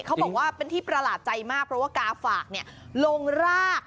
เขาบอกว่าเป็นที่ประหลาดใจมากเพราะว่ากาฝากลงราก